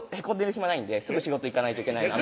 暇ないんですぐ仕事行かないといけないいや